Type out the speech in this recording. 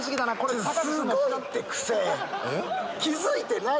気付いてない？